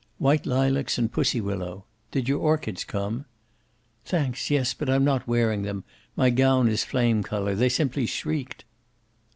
"White lilacs and pussy willow. Did your orchids come?" "Thanks, yes. But I'm not wearing them. My gown is flame color. They simply shrieked."